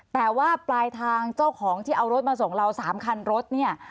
แต่ว่าปลายทางเจ้าของที่เอารถมาส่งเรา๓คันรถเนี่ย